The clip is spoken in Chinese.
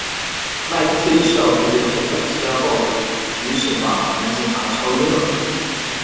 麦克斯意识到自己的身份即将暴露于是把男警察敲晕了。